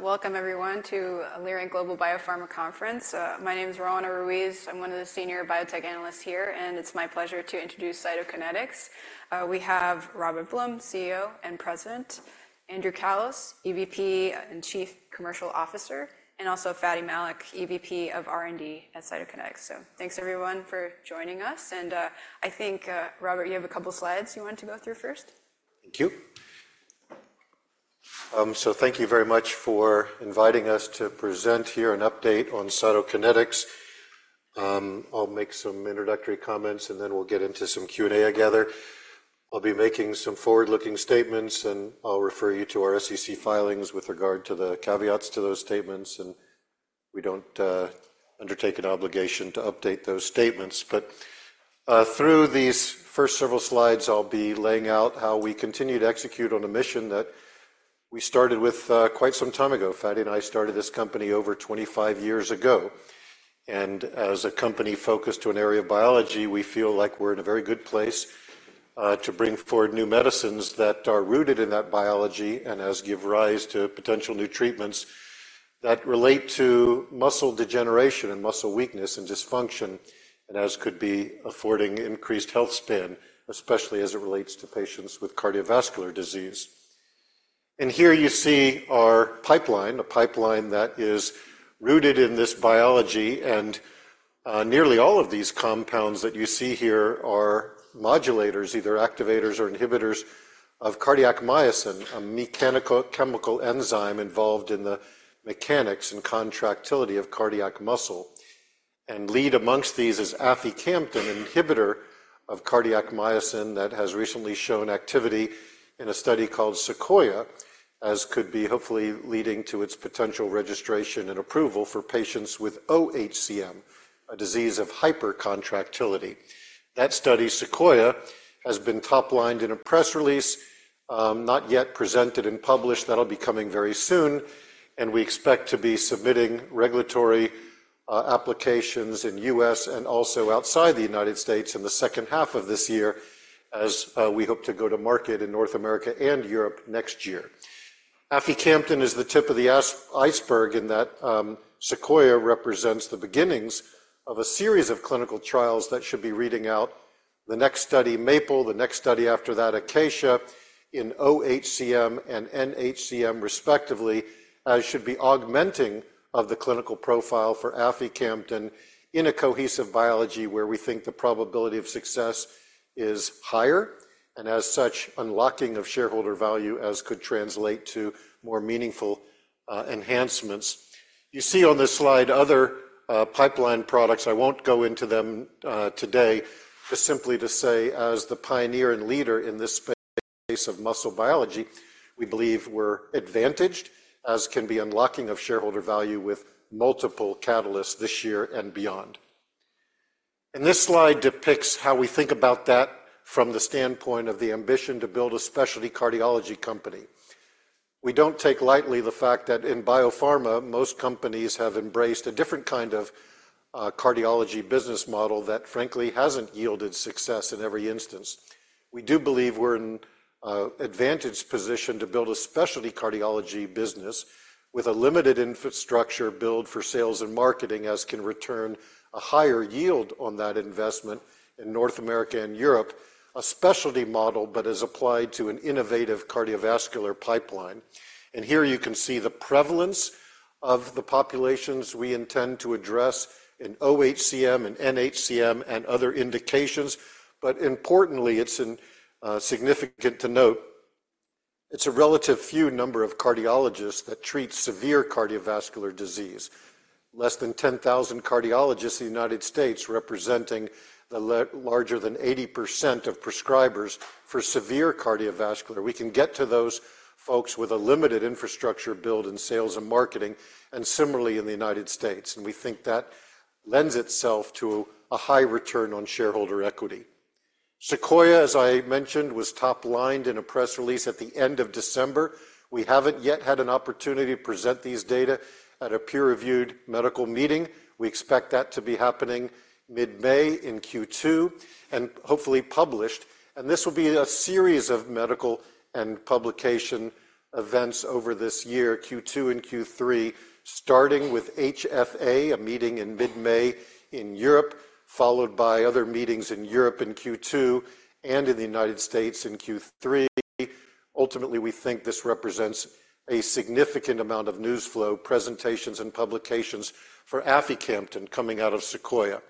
Welcome, everyone, to Leerink Global Biopharma Conference. My name's Roanna Ruiz. I'm one of the senior biotech analysts here, and it's my pleasure to introduce Cytokinetics. We have Robert Blum, CEO and President, Andrew Callos, EVP and Chief Commercial Officer, and also Fady Malik, EVP of R&D at Cytokinetics. Thanks, everyone, for joining us. I think, Robert, you have a couple of slides you wanted to go through first. Thank you. So thank you very much for inviting us to present here an update on Cytokinetics. I'll make some introductory comments, and then we'll get into some Q&A together. I'll be making some forward-looking statements, and I'll refer you to our SEC filings with regard to the caveats to those statements. We don't undertake an obligation to update those statements. Through these first several slides, I'll be laying out how we continue to execute on a mission that we started with, quite some time ago. Fady and I started this company over 25 years ago. As a company focused to an area of biology, we feel like we're in a very good place to bring forward new medicines that are rooted in that biology and as give rise to potential new treatments that relate to muscle degeneration and muscle weakness and dysfunction, and as could be affording increased health span, especially as it relates to patients with cardiovascular disease. Here you see our pipeline, a pipeline that is rooted in this biology. Nearly all of these compounds that you see here are modulators, either activators or inhibitors, of cardiac myosin, a mechanochemical enzyme involved in the mechanics and contractility of cardiac muscle. Lead amongst these is aficamten, an inhibitor of cardiac myosin that has recently shown activity in a study called SEQUOIA, as could be hopefully leading to its potential registration and approval for patients with OHCM, a disease of hypercontractility. That study, SEQUOIA, has been toplined in a press release, not yet presented and published. That'll be coming very soon. And we expect to be submitting regulatory applications in the U.S. and also outside the United States in the second half of this year, as we hope to go to market in North America and Europe next year. Aficamten is the tip of the iceberg in that SEQUOIA represents the beginnings of a series of clinical trials that should be reading out the next study, MAPLE, the next study after that, ACACIA, in OHCM and NHCM respectively, as should be augmenting of the clinical profile for aficamten in a cohesive biology where we think the probability of success is higher and as such, unlocking of shareholder value as could translate to more meaningful enhancements. You see on this slide other pipeline products. I won't go into them today just simply to say, as the pioneer and leader in this space of muscle biology, we believe we're advantaged, as can be unlocking of shareholder value with multiple catalysts this year and beyond. This slide depicts how we think about that from the standpoint of the ambition to build a specialty cardiology company. We don't take lightly the fact that in biopharma, most companies have embraced a different kind of cardiology business model that, frankly, hasn't yielded success in every instance. We do believe we're in an advantageous position to build a specialty cardiology business with a limited infrastructure built for sales and marketing as can return a higher yield on that investment in North America and Europe, a specialty model but as applied to an innovative cardiovascular pipeline. And here you can see the prevalence of the populations we intend to address in OHCM and NHCM and other indications. But importantly, it's significant to note, it's a relatively few number of cardiologists that treat severe cardiovascular disease, less than 10,000 cardiologists in the United States representing larger than 80% of prescribers for severe cardiovascular. We can get to those folks with a limited infrastructure built in sales and marketing, and similarly in the United States. We think that lends itself to a high return on shareholder equity. SEQUOIA, as I mentioned, was toplined in a press release at the end of December. We haven't yet had an opportunity to present these data at a peer-reviewed medical meeting. We expect that to be happening mid-May in Q2 and hopefully published. This will be a series of medical and publication events over this year, Q2 and Q3, starting with HFA, a meeting in mid-May in Europe, followed by other meetings in Europe in Q2 and in the United States in Q3. Ultimately, we think this represents a significant amount of news flow, presentations, and publications for aficamten coming out of SEQUOIA.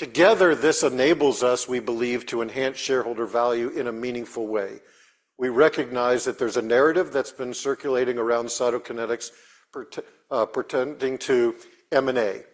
Together, this enables us, we believe, to enhance shareholder value in a meaningful way. We recognize that there's a narrative that's been circulating around Cytokinetics pertaining to M&A.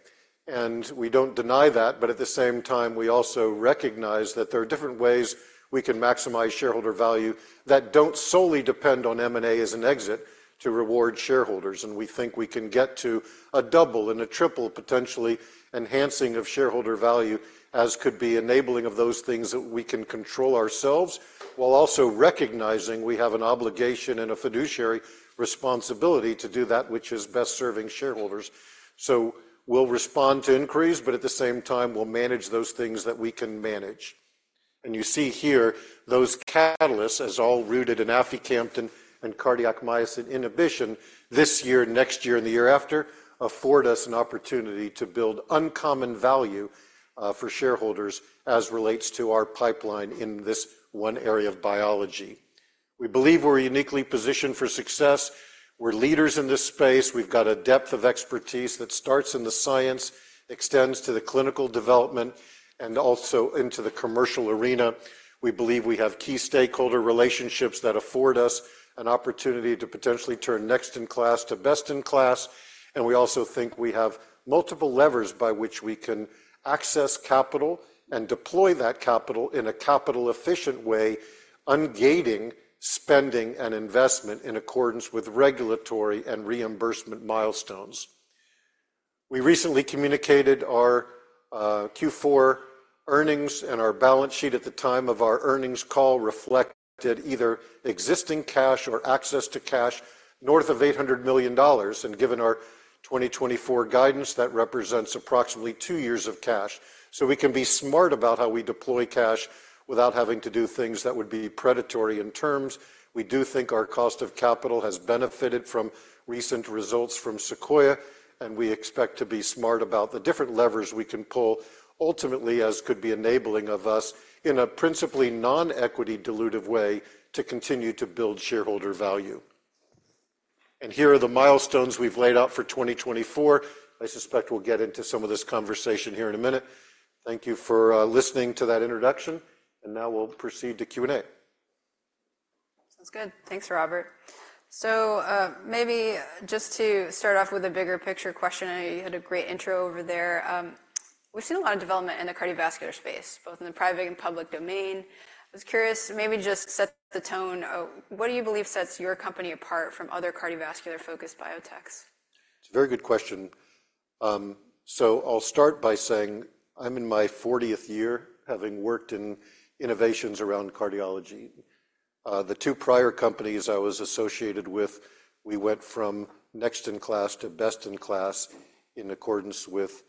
We don't deny that. At the same time, we also recognize that there are different ways we can maximize shareholder value that don't solely depend on M&A as an exit to reward shareholders. We think we can get to a double and a triple potentially enhancing of shareholder value as could be enabling of those things that we can control ourselves while also recognizing we have an obligation and a fiduciary responsibility to do that which is best serving shareholders. We'll respond to increase, but at the same time, we'll manage those things that we can manage. You see here those catalysts, as all rooted in Aficamten and cardiac myosin inhibition this year, next year, and the year after, afford us an opportunity to build uncommon value, for shareholders as relates to our pipeline in this one area of biology. We believe we're uniquely positioned for success. We're leaders in this space. We've got a depth of expertise that starts in the science, extends to the clinical development, and also into the commercial arena. We believe we have key stakeholder relationships that afford us an opportunity to potentially turn next-in-class to best-in-class. And we also think we have multiple levers by which we can access capital and deploy that capital in a capital-efficient way, ungating spending and investment in accordance with regulatory and reimbursement milestones. We recently communicated our Q4 earnings. Our balance sheet at the time of our earnings call reflected either existing cash or access to cash north of $800 million. Given our 2024 guidance, that represents approximately two years of cash. We can be smart about how we deploy cash without having to do things that would be predatory in terms. We do think our cost of capital has benefited from recent results from SEQUOIA-HCM. We expect to be smart about the different levers we can pull ultimately as could be enabling of us in a principally non-equity dilutive way to continue to build shareholder value. Here are the milestones we've laid out for 2024. I suspect we'll get into some of this conversation here in a minute. Thank you for listening to that introduction. Now we'll proceed to Q&A. Sounds good. Thanks, Robert. So, maybe just to start off with a bigger picture question. I know you had a great intro over there. We've seen a lot of development in the cardiovascular space, both in the private and public domain. I was curious, maybe just set the tone, what do you believe sets your company apart from other cardiovascular-focused biotechs? It's a very good question. So I'll start by saying I'm in my 40th year having worked in innovations around cardiology. The two prior companies I was associated with, we went from next-in-class to best-in-class in accordance with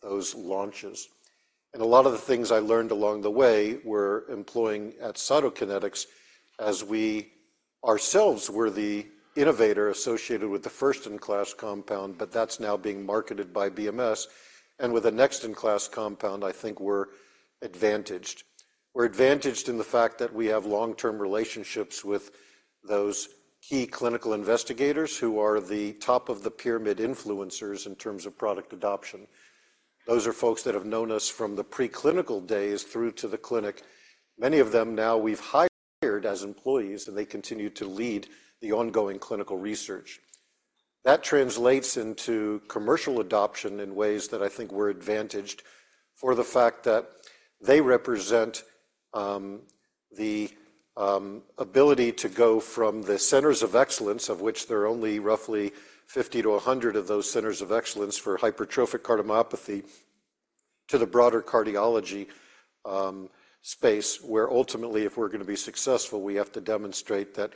those launches. And a lot of the things I learned along the way were employing at Cytokinetics as we ourselves were the innovator associated with the first-in-class compound, but that's now being marketed by BMS. And with a next-in-class compound, I think we're advantaged. We're advantaged in the fact that we have long-term relationships with those key clinical investigators who are the top of the pyramid influencers in terms of product adoption. Those are folks that have known us from the preclinical days through to the clinic. Many of them now we've hired as employees, and they continue to lead the ongoing clinical research. That translates into commercial adoption in ways that I think we're advantaged for the fact that they represent the ability to go from the centers of excellence, of which there are only roughly 50-100 of those centers of excellence for hypertrophic cardiomyopathy, to the broader cardiology space where ultimately, if we're gonna be successful, we have to demonstrate that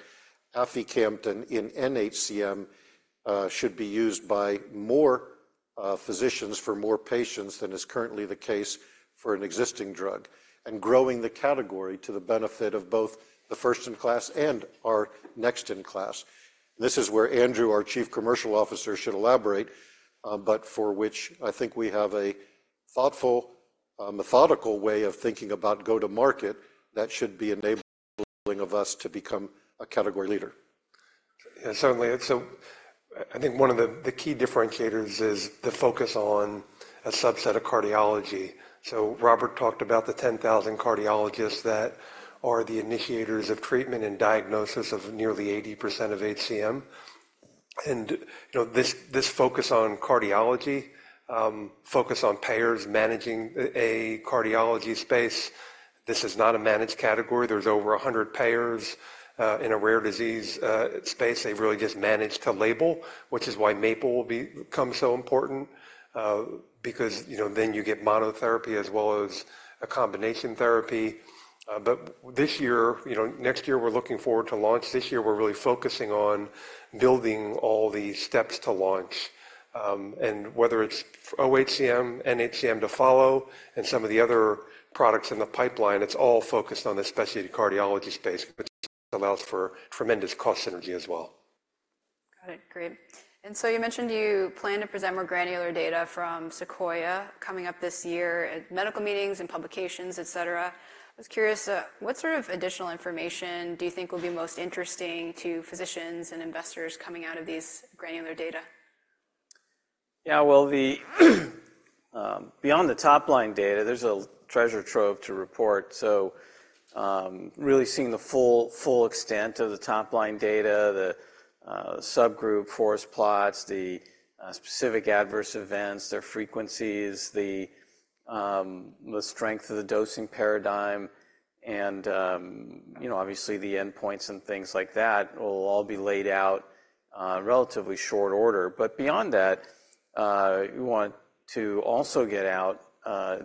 aficamten in NHCM should be used by more physicians for more patients than is currently the case for an existing drug and growing the category to the benefit of both the first-in-class and our next-in-class. And this is where Andrew, our Chief Commercial Officer, should elaborate, but for which I think we have a thoughtful, methodical way of thinking about go-to-market that should be enabling of us to become a category leader. Yeah, certainly. So I think one of the, the key differentiators is the focus on a subset of cardiology. So Robert talked about the 10,000 cardiologists that are the initiators of treatment and diagnosis of nearly 80% of HCM. And, you know, this, this focus on cardiology, focus on payers managing a cardiology space, this is not a managed category. There's over 100 payers, in a rare disease, space. They really just manage to label, which is why MAPLE-HCM will become so important, because, you know, then you get monotherapy as well as a combination therapy. But this year, you know, next year we're looking forward to launch. This year we're really focusing on building all the steps to launch. whether it's OHCM, NHCM to follow, and some of the other products in the pipeline, it's all focused on the specialty cardiology space, which allows for tremendous cost synergy as well. Got it. Great. And so you mentioned you plan to present more granular data from SEQUOIA coming up this year at medical meetings and publications, etc. I was curious, what sort of additional information do you think will be most interesting to physicians and investors coming out of these granular data? Yeah. Well, beyond the top-line data, there's a treasure trove to report. So, really seeing the full extent of the top-line data, the subgroup forest plots, the specific adverse events, their frequencies, the strength of the dosing paradigm, and, you know, obviously the endpoints and things like that will all be laid out in relatively short order. But beyond that, we want to also get out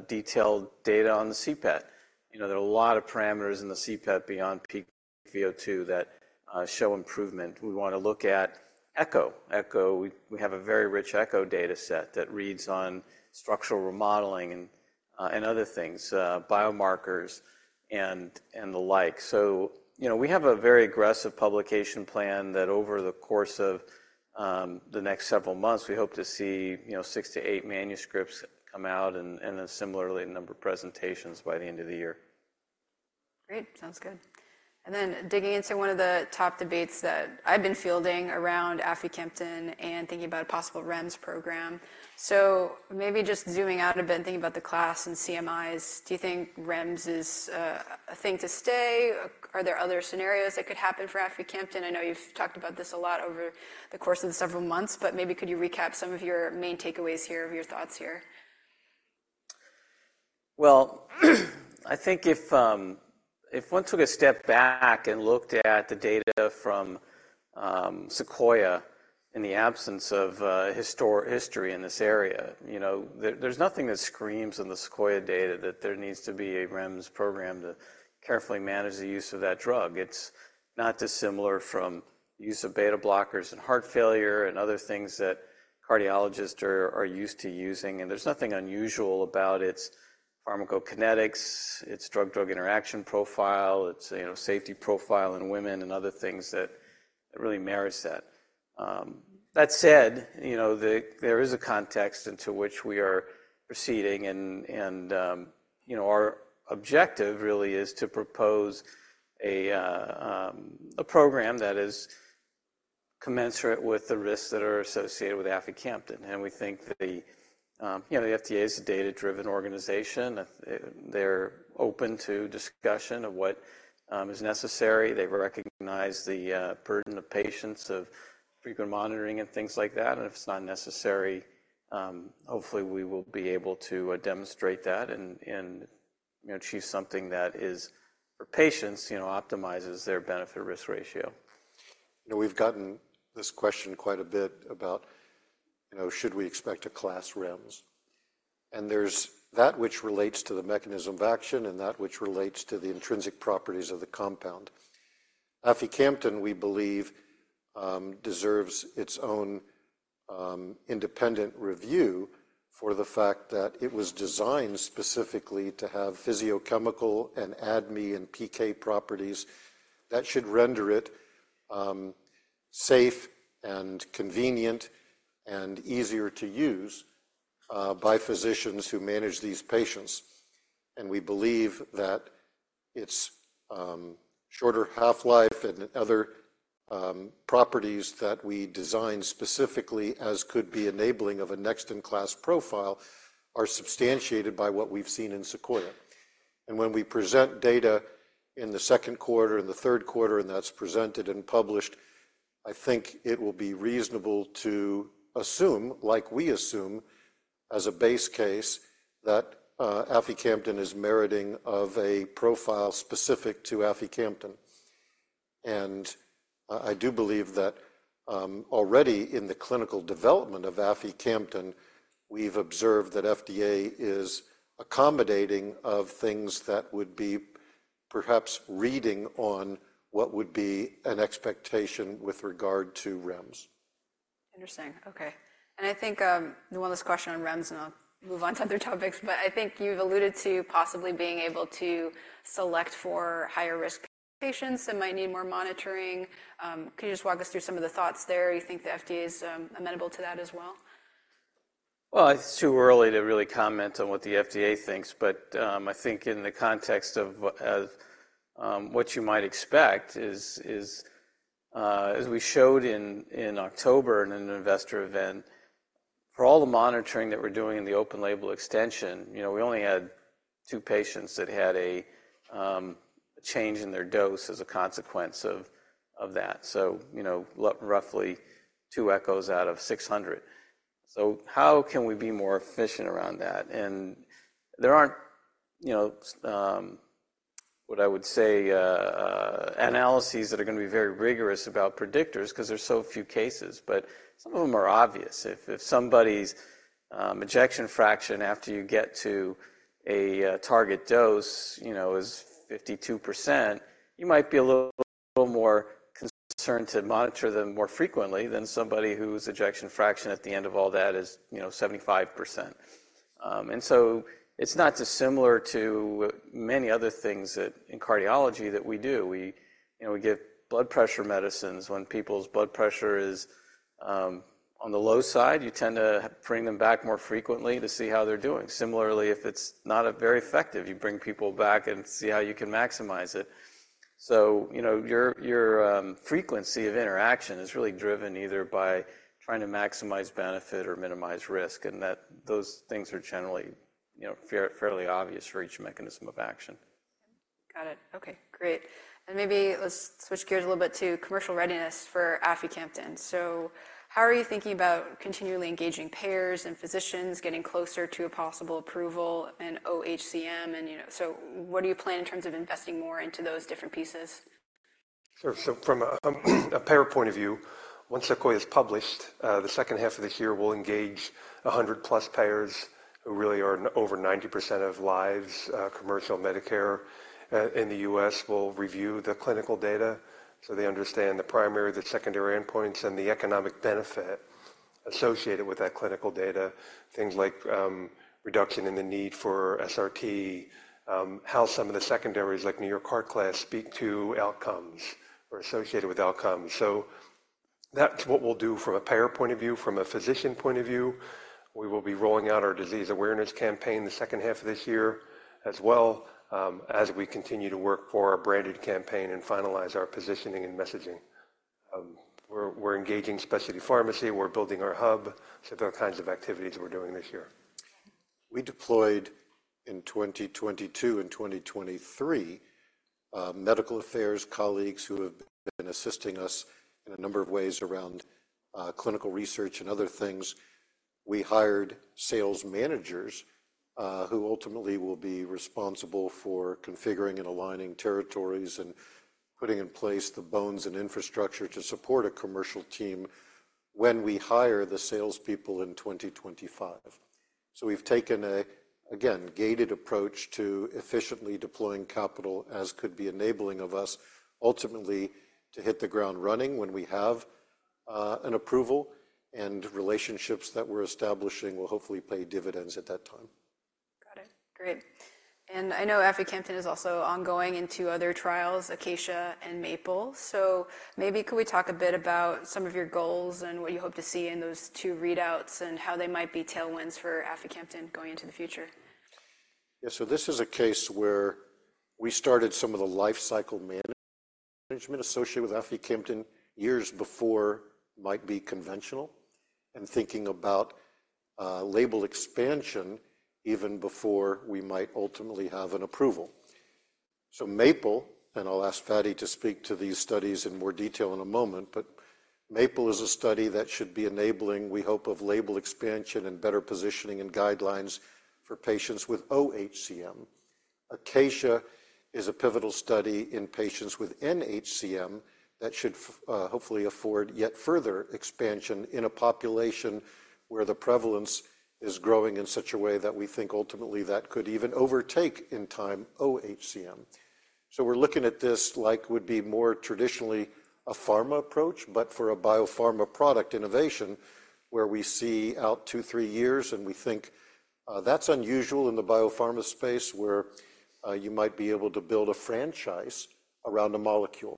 detailed data on the CPET. You know, there are a lot of parameters in the CPET beyond peak VO2 that show improvement. We wanna look at echo. echo, we have a very rich echo dataset that reads on structural remodeling and other things, biomarkers and the like. you know, we have a very aggressive publication plan that over the course of the next several months, we hope to see, you know, six to eight manuscripts come out and then similarly a number of presentations by the end of the year. Great. Sounds good. And then digging into one of the top debates that I've been fielding around aficamten and thinking about a possible REMS program. So maybe just zooming out a bit, thinking about the class and CMIs, do you think REMS is a thing to stay? Are there other scenarios that could happen for aficamten? I know you've talked about this a lot over the course of the several months, but maybe could you recap some of your main takeaways here of your thoughts here? Well, I think if one took a step back and looked at the data from SEQUOIA in the absence of history in this area, you know, there's nothing that screams in the SEQUOIA data that there needs to be a REMS program to carefully manage the use of that drug. It's not dissimilar from use of beta-blockers and heart failure and other things that cardiologists are used to using. And there's nothing unusual about its pharmacokinetics, its drug-drug interaction profile, its, you know, safety profile in women and other things that really mirrors that. That said, you know, there is a context into which we are proceeding. And, you know, our objective really is to propose a program that is commensurate with the risks that are associated with aficamten. And we think, you know, the FDA is a data-driven organization. I think they're open to discussion of what is necessary. They recognize the burden of patients of frequent monitoring and things like that. And if it's not necessary, hopefully we will be able to demonstrate that and you know, achieve something that is for patients, you know, optimizes their benefit-risk ratio. You know, we've gotten this question quite a bit about, you know, should we expect a class REMS? And there's that which relates to the mechanism of action and that which relates to the intrinsic properties of the compound. Aficamten, we believe, deserves its own, independent review for the fact that it was designed specifically to have physicochemical and ADME and PK properties that should render it, safe and convenient and easier to use, by physicians who manage these patients. And we believe that it's, shorter half-life and other, properties that we designed specifically as could be enabling of a next-in-class profile are substantiated by what we've seen in SEQUOIA. When we present data in the second quarter and the third quarter and that's presented and published, I think it will be reasonable to assume, like we assume as a base case, that aficamten is meriting of a profile specific to aficamten. I do believe that already in the clinical development of aficamten, we've observed that FDA is accommodating of things that would be perhaps reading on what would be an expectation with regard to REMS. Interesting. Okay. And I think the one last question on REMS, and I'll move on to other topics. But I think you've alluded to possibly being able to select for higher-risk patients that might need more monitoring. Could you just walk us through some of the thoughts there? You think the FDA's amenable to that as well? Well, it's too early to really comment on what the FDA thinks. But, I think in the context of, what you might expect is, as we showed in October in an investor event, for all the monitoring that we're doing in the open-label extension, you know, we only had two patients that had a change in their dose as a consequence of that. So, you know, roughly two echoes out of 600. So how can we be more efficient around that? And there aren't, you know, what I would say, analyses that are gonna be very rigorous about predictors 'cause there's so few cases. But some of them are obvious. If somebody's ejection fraction after you get to a target dose, you know, is 52%, you might be a little more concerned to monitor them more frequently than somebody whose ejection fraction at the end of all that is, you know, 75%. And so it's not dissimilar to many other things that in cardiology we do. We, you know, we give blood pressure medicines. When people's blood pressure is on the low side, you tend to bring them back more frequently to see how they're doing. Similarly, if it's not very effective, you bring people back and see how you can maximize it. So, you know, your frequency of interaction is really driven either by trying to maximize benefit or minimize risk. And those things are generally, you know, fairly obvious for each mechanism of action. Got it. Okay. Great. And maybe let's switch gears a little bit to commercial readiness for aficamten. So how are you thinking about continually engaging payers and physicians, getting closer to a possible approval in OHCM? And, you know, so what do you plan in terms of investing more into those different pieces? Sure. So from a payer point of view, once SEQUOIA is published, the second half of this year we'll engage 100-plus payers who really are over 90% of lives, commercial Medicare, in the U.S. will review the clinical data so they understand the primary, the secondary endpoints, and the economic benefit associated with that clinical data, things like reduction in the need for SRT, how some of the secondaries like New York Heart Class speak to outcomes or associated with outcomes. So that's what we'll do from a payer point of view, from a physician point of view. We will be rolling out our disease awareness campaign the second half of this year as well, as we continue to work for our branded campaign and finalize our positioning and messaging. We're engaging specialty pharmacy. We're building our hub. So those kinds of activities we're doing this year. We deployed, in 2022 and 2023, medical affairs colleagues who have been assisting us in a number of ways around clinical research and other things. We hired sales managers, who ultimately will be responsible for configuring and aligning territories and putting in place the bones and infrastructure to support a commercial team when we hire the salespeople in 2025. So we've taken a gated approach, again, to efficiently deploying capital as could be enabling of us ultimately to hit the ground running when we have an approval. And relationships that we're establishing will hopefully pay dividends at that time. Got it. Great. I know aficamten is also ongoing in two other trials, ACACIA and MAPLE. So maybe could we talk a bit about some of your goals and what you hope to see in those two readouts and how they might be tailwinds for aficamten going into the future? Yeah. So this is a case where we started some of the lifecycle management associated with aficamten years before might be conventional and thinking about label expansion even before we might ultimately have an approval. So MAPLE, and I'll ask Fady to speak to these studies in more detail in a moment, but MAPLE is a study that should be enabling, we hope, of label expansion and better positioning and guidelines for patients with OHCM. ACACIA is a pivotal study in patients with NHCM that should hopefully afford yet further expansion in a population where the prevalence is growing in such a way that we think ultimately that could even overtake in time OHCM. So we're looking at this like would be more traditionally a pharma approach, but for a biopharma product innovation where we see out two to three years, and we think, that's unusual in the biopharma space where, you might be able to build a franchise around a molecule,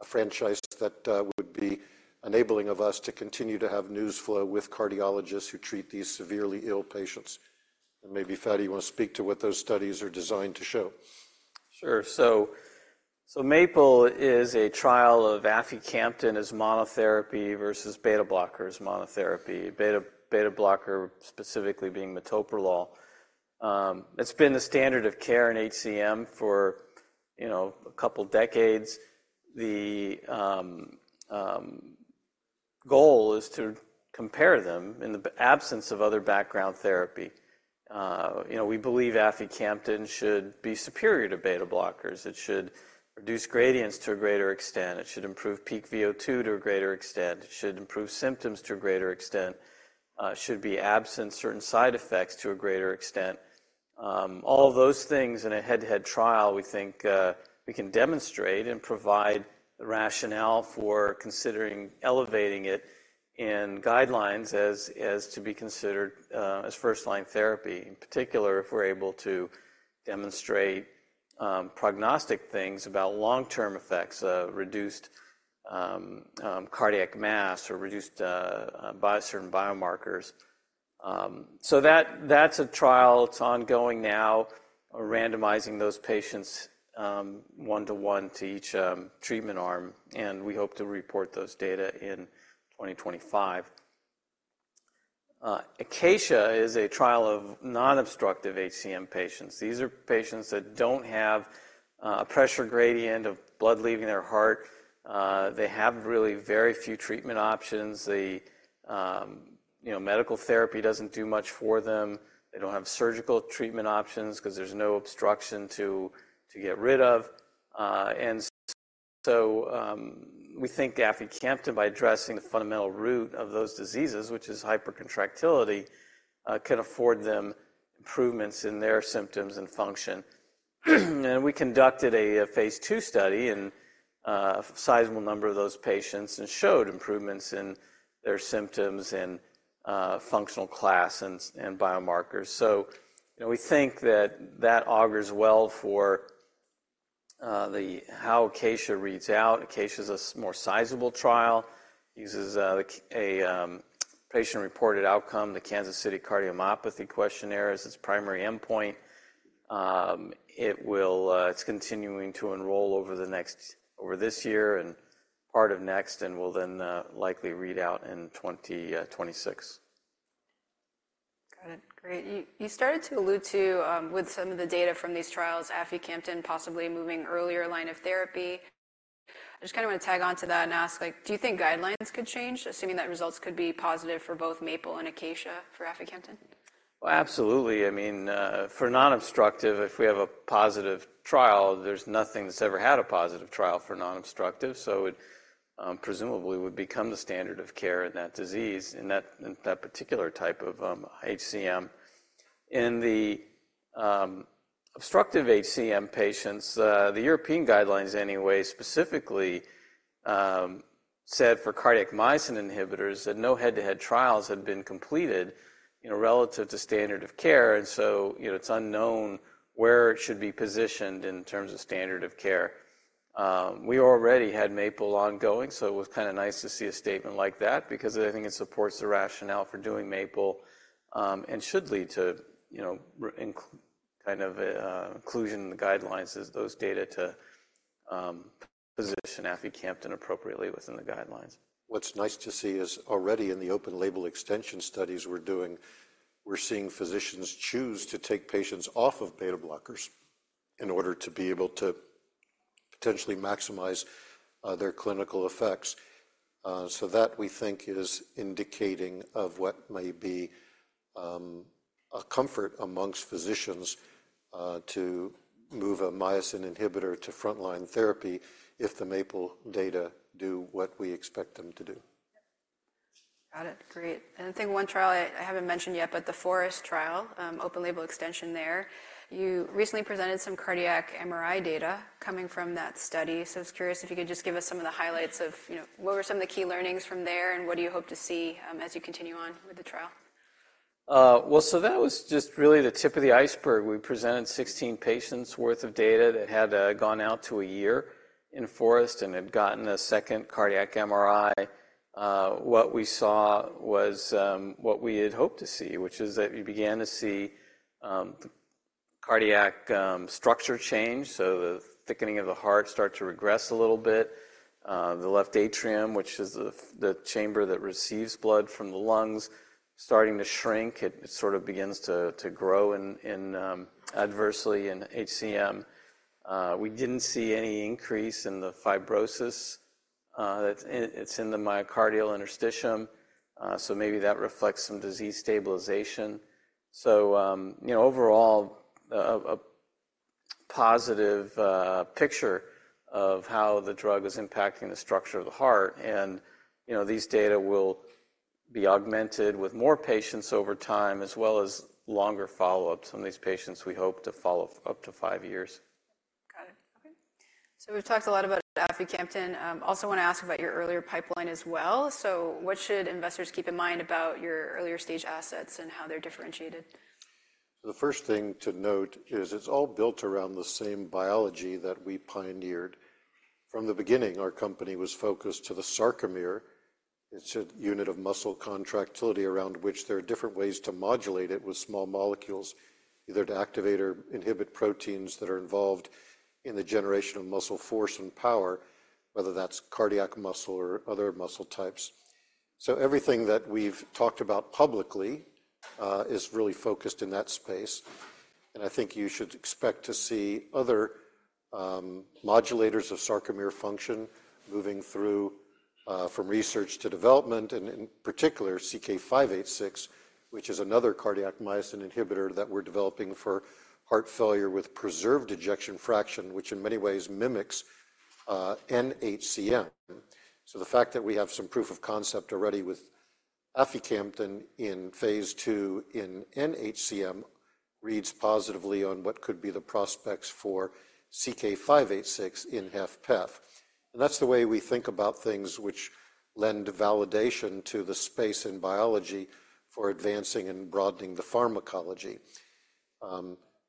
a franchise that, would be enabling of us to continue to have news flow with cardiologists who treat these severely ill patients. And maybe, Fady, you wanna speak to what those studies are designed to show. Sure. So, MAPLE is a trial of aficamten as monotherapy versus beta-blocker as monotherapy, beta-blocker specifically being metoprolol. It's been the standard of care in HCM for, you know, a couple decades. The goal is to compare them in the absence of other background therapy. You know, we believe aficamten should be superior to beta-blockers. It should reduce gradients to a greater extent. It should improve peak VO2 to a greater extent. It should improve symptoms to a greater extent. It should be absent certain side effects to a greater extent. All of those things in a head-to-head trial, we think, we can demonstrate and provide the rationale for considering elevating it in guidelines as to be considered as first-line therapy, in particular if we're able to demonstrate prognostic things about long-term effects of reduced cardiac mass or reduced certain biomarkers. So that's a trial. It's ongoing now, randomizing those patients, 1:1 to each treatment arm. We hope to report those data in 2025. Acacia is a trial of non-obstructive HCM patients. These are patients that don't have a pressure gradient of blood leaving their heart. They have really very few treatment options. They, you know, medical therapy doesn't do much for them. They don't have surgical treatment options 'cause there's no obstruction to get rid of. So, we think aficamten, by addressing the fundamental root of those diseases, which is hypercontractility, can afford them improvements in their symptoms and function. We conducted a phase II study in a sizable number of those patients and showed improvements in their symptoms and functional class and biomarkers. You know, we think that that augurs well for how Acacia reads out. ACACIA's a more sizable trial. Uses the KCCQ, a patient-reported outcome. The Kansas City Cardiomyopathy Questionnaire is its primary endpoint. It's continuing to enroll over the next over this year and part of next and will then likely read out in 2026. Got it. Great. You, you started to allude to, with some of the data from these trials, aficamten possibly moving earlier line of therapy. I just kinda wanna tag on to that and ask, like, do you think guidelines could change, assuming that results could be positive for both Maple and Acacia for aficamten? Well, absolutely. I mean, for non-obstructive, if we have a positive trial, there's nothing that's ever had a positive trial for non-obstructive. So it, presumably would become the standard of care in that disease, in that, in that particular type of, HCM. In the, obstructive HCM patients, the European guidelines anyway specifically, said for cardiac myosin inhibitors that no head-to-head trials had been completed, you know, relative to standard of care. And so, you know, it's unknown where it should be positioned in terms of standard of care. We already had Maple ongoing. So it was kinda nice to see a statement like that because I think it supports the rationale for doing Maple, and should lead to, you know, in kind of a, inclusion in the guidelines as those data to, position aficamten appropriately within the guidelines. What's nice to see is already in the open-label extension studies we're doing, we're seeing physicians choose to take patients off of beta-blockers in order to be able to potentially maximize their clinical effects. So that we think is indicating of what may be a comfort amongst physicians to move a myosin inhibitor to frontline therapy if the MAPLE data do what we expect them to do. Got it. Great. I think one trial I haven't mentioned yet, but the FOREST-HCM trial, open-label extension there, you recently presented some cardiac MRI data coming from that study. I was curious if you could just give us some of the highlights of, you know, what were some of the key learnings from there and what do you hope to see, as you continue on with the trial? Well, so that was just really the tip of the iceberg. We presented 16 patients' worth of data that had gone out to a year in FOREST and had gotten a second cardiac MRI. What we saw was what we had hoped to see, which is that you began to see the cardiac structure change. So the thickening of the heart starts to regress a little bit. The left atrium, which is the chamber that receives blood from the lungs, starting to shrink. It sort of begins to grow adversely in HCM. We didn't see any increase in the fibrosis; that's in the myocardial interstitium. So maybe that reflects some disease stabilization. So, you know, overall, a positive picture of how the drug is impacting the structure of the heart. you know, these data will be augmented with more patients over time as well as longer follow-ups. Some of these patients we hope to follow up to five years. Got it. Okay. So we've talked a lot about aficamten. Also wanna ask about your earlier pipeline as well. So what should investors keep in mind about your earlier stage assets and how they're differentiated? So the first thing to note is it's all built around the same biology that we pioneered. From the beginning, our company was focused to the sarcomere, it's a unit of muscle contractility around which there are different ways to modulate it with small molecules, either to activate or inhibit proteins that are involved in the generation of muscle force and power, whether that's cardiac muscle or other muscle types. So everything that we've talked about publicly, is really focused in that space. And I think you should expect to see other, modulators of sarcomere function moving through, from research to development. And in particular, CK-586, which is another cardiac myosin inhibitor that we're developing for heart failure with preserved ejection fraction, which in many ways mimics, NHCM. So the fact that we have some proof of concept already with aficamten in phase two in NHCM reads positively on what could be the prospects for CK-586 in HFpEF. And that's the way we think about things which lend validation to the space in biology for advancing and broadening the pharmacology.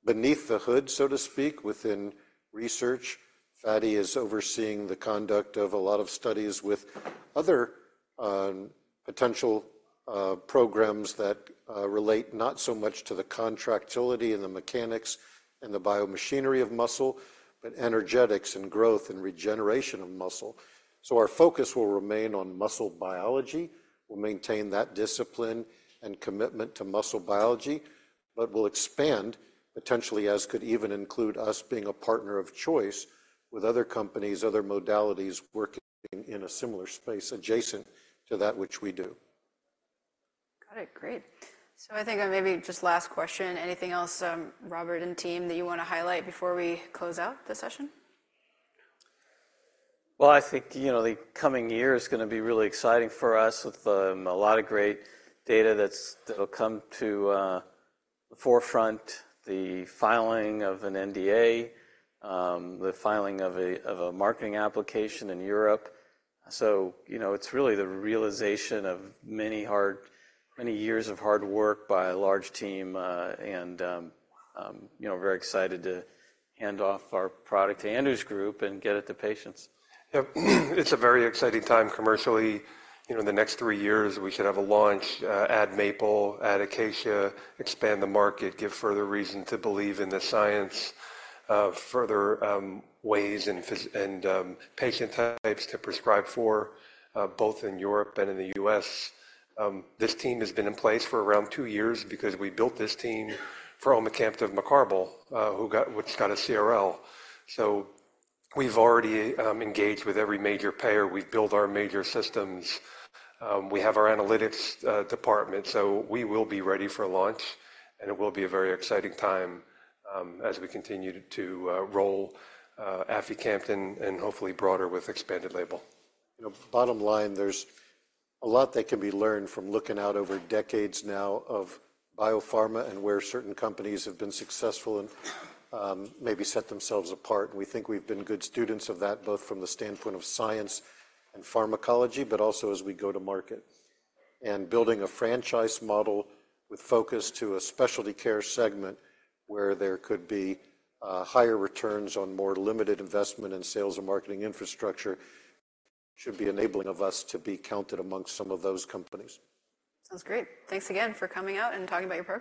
Beneath the hood, so to speak, within research, Fady is overseeing the conduct of a lot of studies with other, potential, programs that, relate not so much to the contractility and the mechanics and the biomachinery of muscle, but energetics and growth and regeneration of muscle. So our focus will remain on muscle biology. We'll maintain that discipline and commitment to muscle biology, but we'll expand potentially as could even include us being a partner of choice with other companies, other modalities working in a similar space adjacent to that which we do. Got it. Great. So I think maybe just last question. Anything else, Robert and team, that you wanna highlight before we close out the session? Well, I think, you know, the coming year is gonna be really exciting for us with a lot of great data that'll come to the forefront, the filing of an NDA, the filing of a marketing application in Europe. So, you know, it's really the realization of many hard years of hard work by a large team, and, you know, very excited to hand off our product to Andrew's group and get it to patients. Yep. It's a very exciting time commercially. You know, in the next three years, we should have a launch, add MAPLE, add ACACIA, expand the market, give further reason to believe in the science of further ways and physicians and patient types to prescribe for, both in Europe and in the U.S. This team has been in place for around two years because we built this team for omecamtiv mecarbil, who got a CRL. So we've already engaged with every major payer. We've built our major systems. We have our analytics department. So we will be ready for launch. And it will be a very exciting time, as we continue to roll aficamten and hopefully broader with expanded label. You know, bottom line, there's a lot that can be learned from looking out over decades now of biopharma and where certain companies have been successful and, maybe set themselves apart. And we think we've been good students of that both from the standpoint of science and pharmacology, but also as we go to market. And building a franchise model with focus to a specialty care segment where there could be, higher returns on more limited investment and sales and marketing infrastructure should be enabling of us to be counted amongst some of those companies. Sounds great. Thanks again for coming out and talking about your.